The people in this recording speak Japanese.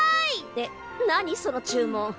えっ何その注文。